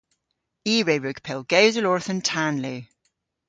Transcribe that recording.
I re wrug pellgewsel orth an tanlu.